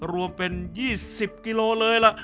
รวมเป็น๒๐กิโลเลยล่ะ